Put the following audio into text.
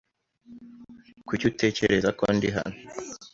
Kuki utekereza ko ndi hano?